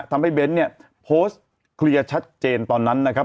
เบ้นเนี่ยโพสต์เคลียร์ชัดเจนตอนนั้นนะครับ